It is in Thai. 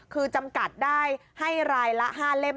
คือจำกัดได้ให้รายละ๕เล่ม